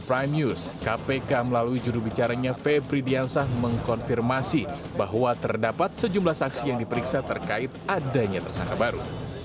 prime news kpk melalui jurubicaranya febri diansah mengkonfirmasi bahwa terdapat sejumlah saksi yang diperiksa terkait adanya tersangka baru